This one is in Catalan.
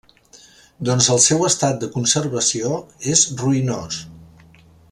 Doncs el seu estat de conservació és ruïnós.